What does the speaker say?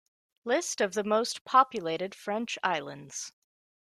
List of the most populated French islands.